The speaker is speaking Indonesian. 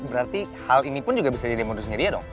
berarti hal ini pun juga bisa jadi modusnya dia dong